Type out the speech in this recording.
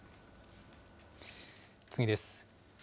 次です。